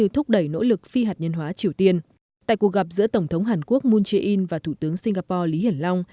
tại cuộc gặp giữa tổng thống hàn quốc moon jae in và thủ tướng singapore lý hiển long